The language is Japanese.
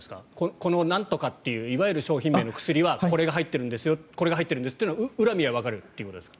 このなんとかっていういわゆる商品名の薬はこれが入ってるんですこれが入ってるんですというのは裏を見ればわかりますか？